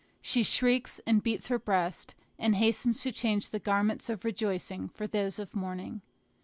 She shrieks, and beats her breast, and hastens to change the garments of rejoicing for those of mourning.